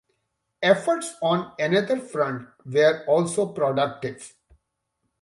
Efforts on another front were also productive.